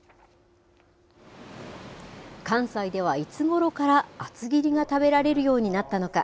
関西ではいつごろから厚切りが食べられるようになったのか。